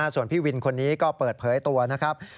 ส่วนพี่วินคนนี้ก็เปิดเผยตัวนะครับ